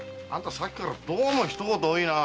さっきからどうも一言多いなぁ。